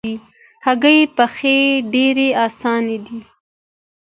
هګۍ پخلی ډېر آسانه دی.